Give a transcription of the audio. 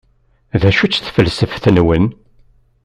D acu-tt tfelseft-nwen?